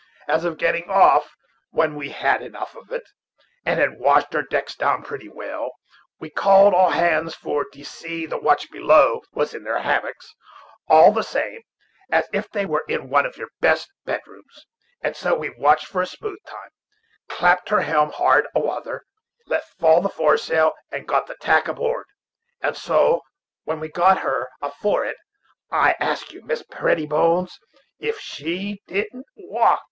As for getting off, when we had enough of it, and had washed our decks down pretty well, we called all hands, for, d'ye see, the watch below was in their hammocks, all the same as if they were in one of your best bedrooms; and so we watched for a smooth time, clapt her helm hard a weather, let fall the foresail, and got the tack aboard; and so, when we got her afore it, I ask you, Mistress Prettybones, if she didn't walk?